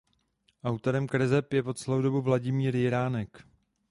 Autorem kreseb je po celou dobu Vladimír Jiránek.